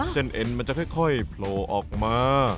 เส้นเอ็นมันจะค่อยโพลออกมา